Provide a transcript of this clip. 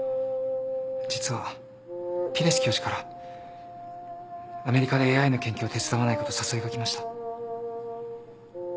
実はピレス教授からアメリカでＡＩの研究を手伝わないかと誘いが来ました。